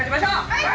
はい！